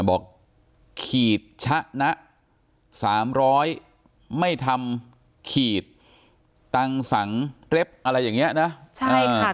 บอกเขียดชะนะสามร้อยไม่ทำขีดตังศังเรฟอะไรอย่างเงี้ยน่ะใช่ค่ะ